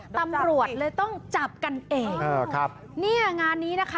ตำรวจเลยต้องจับกันเองเออครับเนี่ยงานนี้นะคะ